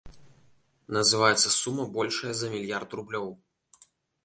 Называецца сума большая за мільярд рублёў.